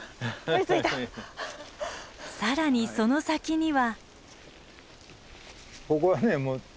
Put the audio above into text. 更にその先には。